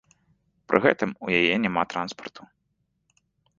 Пры гэтым у яе няма транспарту.